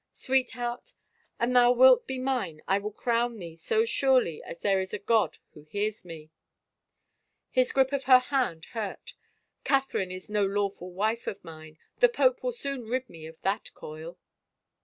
Sweetheart, an thou wilt be mine I will crown thee so surely as there is a God who io8 A VISION OF A CROWN hears me !" His grip of her hand hurt. " Catherine is no lawful wife of mine. ... The pope will soon rid me of that coil."